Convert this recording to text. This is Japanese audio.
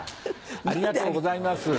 ありがとうございます。